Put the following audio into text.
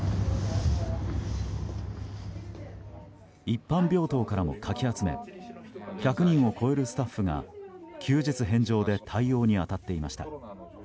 一般病棟からもかき集め１００人を超えるスタッフが休日返上で対応に当たっていました。